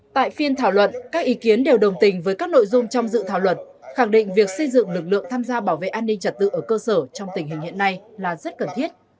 tại phiên thảo luận các ý kiến đều đồng tình với các nội dung trong dự thảo luật khẳng định việc xây dựng lực lượng tham gia bảo vệ an ninh trật tự ở cơ sở trong tình hình hiện nay là rất cần thiết